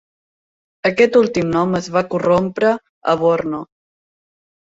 Aquest últim nom es va corrompre a Borno.